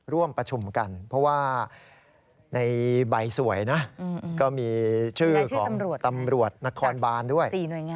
ร่วมประชุมกันเพราะว่าในใบสวยนะก็มีชื่อของตำรวจนครบานด้วย